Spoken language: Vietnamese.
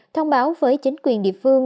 thông báo với chính quyền địa phương